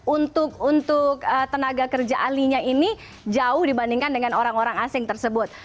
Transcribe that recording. untuk tenaga kerja ahlinya ini jauh dibandingkan dengan orang orang asing tersebut